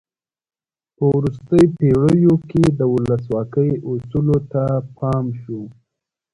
په وروستیو پیړیو کې د ولسواکۍ اصولو ته پام شو.